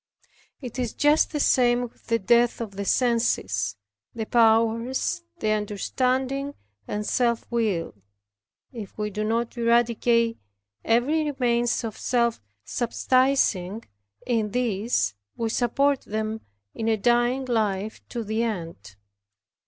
It is just the same with the death of the senses, the powers, the understanding, and self will. If we do not eradicate every remains of self subsisting in these, we support them in a dying life to the end.